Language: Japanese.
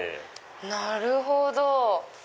なるほど。